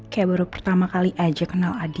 kayak baru pertama kali aja kenal adit